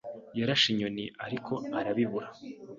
Yarashe inyoni, ariko arabibura.